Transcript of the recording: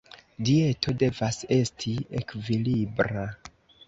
Dieto devas esti ekvilibra.